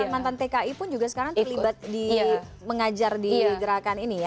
mantan tki pun juga sekarang terlibat di mengajar di gerakan ini ya